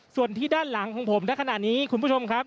ส่วนที่ด้านหลังของผมในขณะนี้คุณผู้ชมครับ